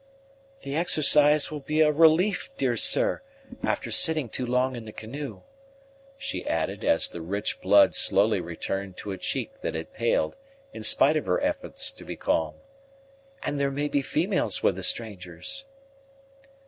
"The exercise will be a relief, dear sir, after sitting so long in the canoe," she added, as the rich blood slowly returned to a cheek that had paled in spite of her efforts to be calm; "and there may be females with the strangers."